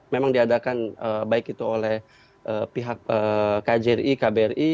memang diadakan baik itu oleh pihak kjri kbri